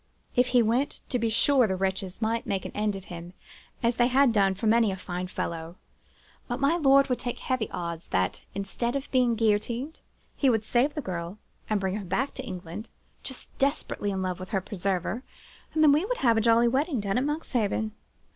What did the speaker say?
If he went, to be sure, the wretches might make an end of him, as they had done of many a fine fellow: but my lord would take heavy odds, that, instead of being guillotined, he would save the girl, and bring her safe to England, just desperately in love with her preserver, and then we would have a jolly wedding down at Monkshaven.